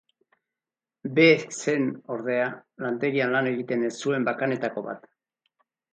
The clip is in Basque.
B zen, ordea, lantegian lan egiten ez zuen bakanetako bat.